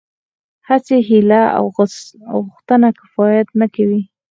هسې هيله او غوښتنه کفايت نه کوي.